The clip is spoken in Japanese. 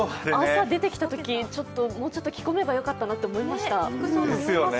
朝、出てきたときもうちょっと着込めばなと思いました。